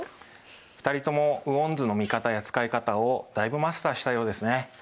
２人とも雨温図の見方や使い方をだいぶマスターしたようですね。